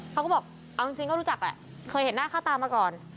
เขาก็บอกเอาจริงก็รู้จักแหละเคยเห็นหน้าค่าตามาก่อน